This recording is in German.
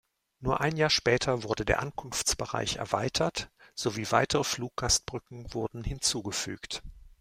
Nur ein Jahr später wurde der Ankunftsbereich erweitert sowie weitere Fluggastbrücken wurden hinzugefügt.